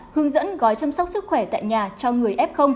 hướng dẫn gói chăm sóc sức khỏe tại nhà cho người f